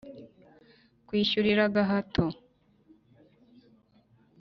kwishyurira agahato. "